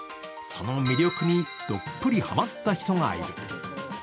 その魅力にどっぷりハマった人がいる。